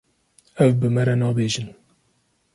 Ew bi me re nabêjin.